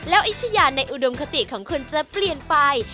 แล้วอิทยาในอุดมคติของคุณจะเปลี่ยนไป